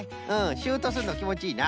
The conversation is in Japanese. シュッとすんのきもちいいな！